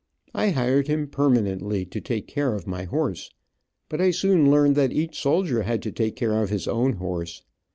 I hired him permanently, to take care of my horse, but I soon learned that each soldier had to take care of his own horse.